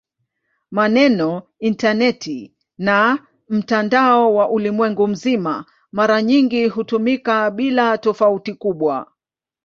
Maneno "intaneti" na "mtandao wa ulimwengu mzima" mara nyingi hutumika bila tofauti kubwa.